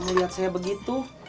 kamu lihat saya begitu